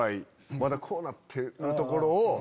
まだこうなってるところを。